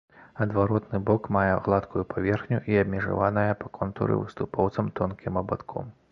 Адваротны бок мае гладкую паверхню і абмежаваная па контуры выступоўцам тонкім абадком.